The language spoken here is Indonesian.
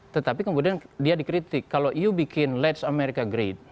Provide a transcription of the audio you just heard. tetapi kemudian dia dikritik kalau you bikin let's america great